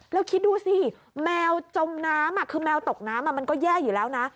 แล้วคิดดูสิแมวจมน้ำคือแมวตกน้ำมันก็แย่อยู่แล้วนะ